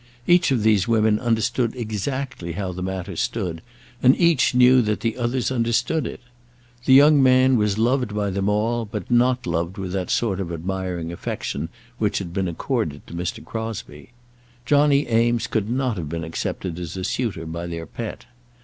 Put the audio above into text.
Each of these women understood exactly how the matter stood, and each knew that the others understood it. The young man was loved by them all, but not loved with that sort of admiring affection which had been accorded to Mr. Crosbie. Johnny Eames could not have been accepted as a suitor by their pet.